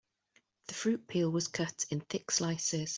The fruit peel was cut in thick slices.